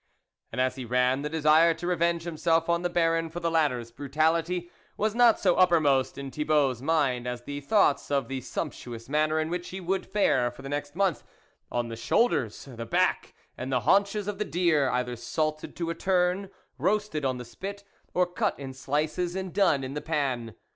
And as he ran, the desire to revenge himself on the Baron for the latter's brutality, was not so uppermost in Thi bault's mind as the thoughts of the sumptuous manner in which he would fare for the next month, on the shoulders, the back, and the haunches of the deer, either salted to a turn, roasted on the spit, or cut in slices and done in the pan.